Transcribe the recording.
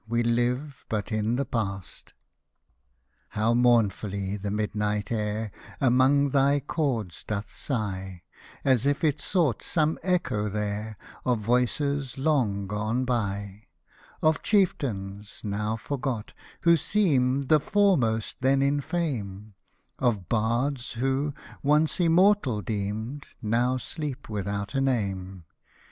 We hve but in the past. Hosted by Google SING, SWEET HARP 43 How mournfully the midnight air Among thy chords doth sigh, As if it sought some echo there Of voices long gone by ;— Of Chieftains, now forgot, who seemed The foremost then in fame ; Of Bards who, once immortal deemed, Now sleep without a name.